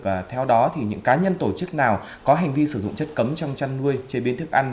và theo đó thì những cá nhân tổ chức nào có hành vi sử dụng chất cấm trong chăn nuôi chế biến thức ăn